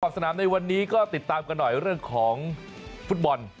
สนามในวันนี้ก็ติดตามกันหน่อยเรื่องของฟุตบอล